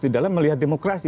di dalam melihat demokrasi